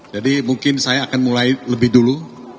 mungkin saya akan mulai lebih dulu